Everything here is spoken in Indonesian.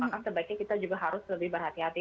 maka sebaiknya kita juga harus lebih berhati hati